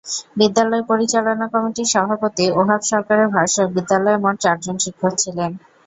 বিদ্যালয় পরিচালনা কমিটির সভাপতি ওহাব সরকারের ভাষ্য, বিদ্যালয়ে মোট চারজন শিক্ষক ছিলেন।